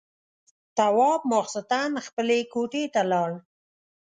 تواب ماخستن خپلې کوټې ته لاړ.